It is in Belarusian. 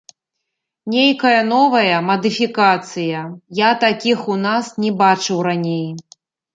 Нейкая новая мадыфікацыя, я такіх у нас не бачыў раней.